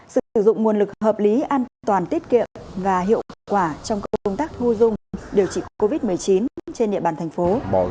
sự sử dụng nguồn lực hợp lý an toàn tiết kiệm và hiệu quả trong công tác thu dung điều trị covid một mươi chín trên địa bàn thành phố